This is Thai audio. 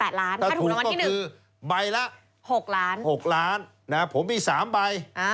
ถักถูกแล้ววันนี้๑ถูกก็คือใบละ๖ล้าน๖ล้านนะฮะผมมี๓ใบ